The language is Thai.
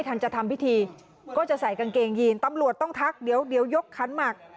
ตำรวจต้องทักเดี๋ยวยกขั้นหมัก